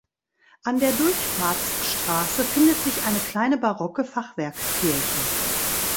An der Durchfahrtsstraße findet sich eine kleine barocke Fachwerkkirche.